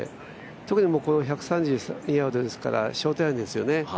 特に１３０ヤードですからショートアイアンですよね。